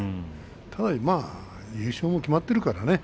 でも優勝も決まっているからね